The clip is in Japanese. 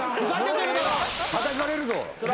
たたかれるぞ！